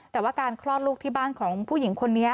แต่ว่าการคลอดลูกที่บ้านของผู้หญิงคนนี้